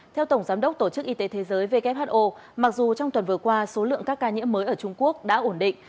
theo tổng giám đốc tổ chức y tế thế giới who mặc dù trong tuần vừa qua số lượng các ca nhiễm mới ở trung quốc đã ổn định